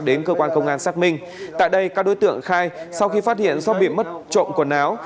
đến cơ quan công an xác minh tại đây các đối tượng khai sau khi phát hiện do bị mất trộm quần áo